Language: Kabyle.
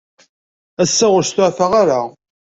Ass-a, ur stufaɣ ara.